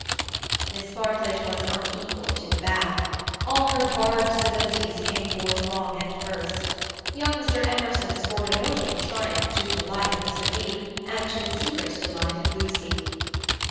Miss Bartlett was unequal to the bath. All her barbed civilities came forth wrong end first. Young Mr. Emerson scored a notable triumph to the delight of Mr. Beebe and to the secret delight of Lucy.